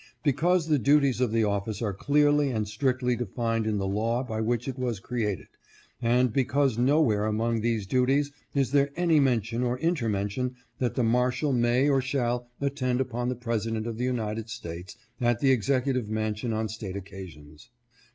Because the duties of the office are clearly and strictly defined in the law by which it was created ; and because nowhere among these duties is there any mention or intermention that the Marshal may or shall attend upon the President of the United States at the Executive Mansion on state occasions.